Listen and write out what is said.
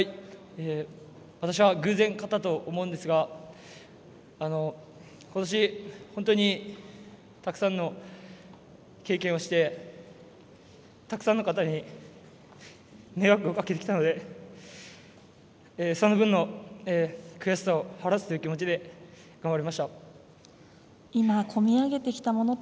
私は偶然勝ったと思うんですが今年、本当にたくさんの経験をしてたくさんの方に迷惑をかけてきたのでその分の悔しさを晴らすという気持ちで頑張りました。